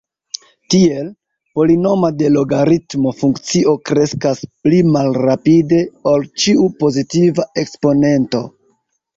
Tiel, polinoma de logaritmo funkcio kreskas pli malrapide ol ĉiu pozitiva eksponento.